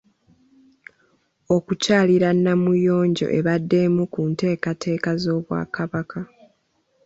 Okukyalira Namuyonjo ebadde emu ku nteekateeka z’Obwakabaka.